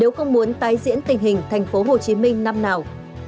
nếu không muốn tái diễn tình hình thành phố hồ chí minh năm nào